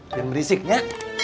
diam berisik ya